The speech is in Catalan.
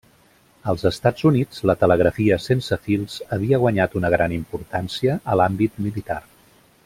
Als Estats Units la telegrafia sense fils havia guanyat una gran importància a l'àmbit militar.